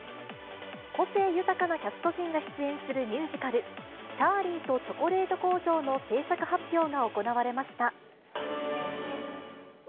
個性豊かなキャスト陣が出演するミュージカル、チャーリーとチョコレート工場の製作発表が行われました。